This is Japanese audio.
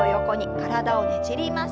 体をねじります。